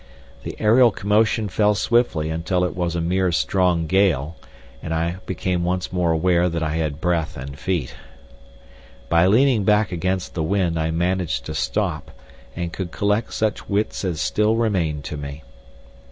The aerial commotion fell swiftly until it was a mere strong gale, and I became once more aware that I had breath and feet. By leaning back against the wind I managed to stop, and could collect such wits as still remained to me.